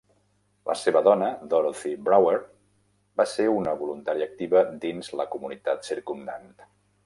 La seva dona, Dorothy Brower, va ser una voluntària activa dins la comunitat circumdant.